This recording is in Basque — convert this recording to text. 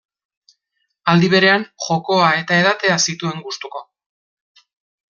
Aldi berean, jokoa eda edatea zituen gustuko.